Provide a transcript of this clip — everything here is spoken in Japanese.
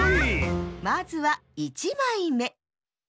まずは１まいめ！